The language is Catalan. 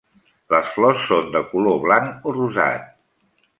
Les flors són de color blanc o rosat.